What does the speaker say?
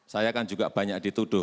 saya akan juga banyak menuduh